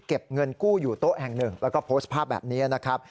เงินกู้อยู่โต๊ะแห่งหนึ่งแล้วก็โพสต์ภาพแบบนี้นะครับ